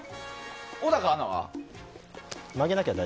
小高アナは？